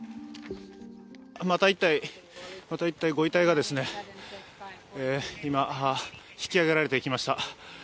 また１体、ご遺体が今、引き上げられていきました。